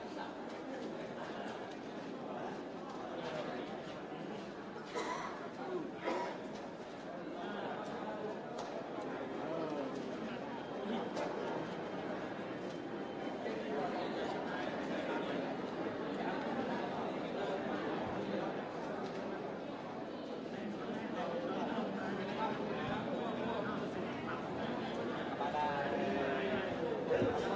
สวัสดีครับ